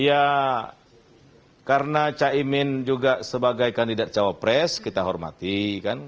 iya karena caimin juga sebagai kandidat cawapres kita hormatnya